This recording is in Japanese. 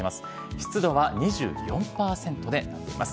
湿度は２４％で出ています。